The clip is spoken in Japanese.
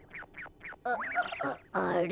ああれ？